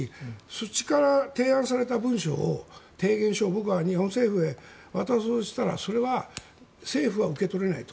そっちから提案された文書を提言書を僕は日本政府へ渡そうとしたらそれは政府は受け取れないと。